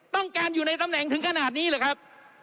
ต้องการอยู่ในตำแหน่งถึงขนาดนี้หรือครับ